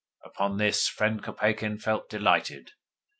Upon this friend Kopeikin felt delighted.